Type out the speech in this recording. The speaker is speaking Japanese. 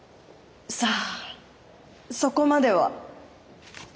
さあそこまでは。